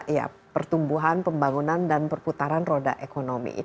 ya pertumbuhan pembangunan dan perputaran roda ekonomi